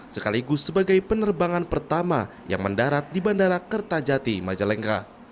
sekaligus sebagai penerbangan pertama yang mendarat di bandara kertajati majalengka